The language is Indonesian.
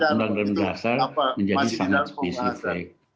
undang undang dasar menjadi sangat spesifik